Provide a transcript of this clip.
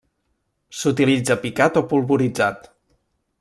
S'utilitza picat o polvoritzat.